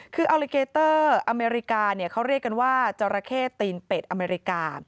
คืออัลลิเกเตอร์อเมริกาเขาเรียกกันว่าจราเข้ตีนเป็ดอเมริกา